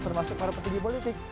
termasuk para petugih politik